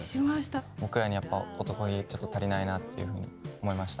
僕らに男気ちょっと足りないなっていうふうに思いました。